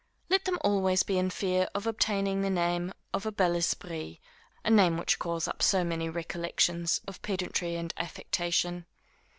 Let them always be in fear of obtaining the name of a bel esprit, a name which calls up so many recollections of pedantry and affectation.